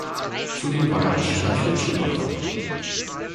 Zudem war er ein schneller Schlittschuhläufer.